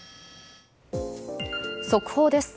速報です。